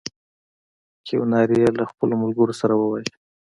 کیوناري یې له خپلو ملګرو سره وواژه.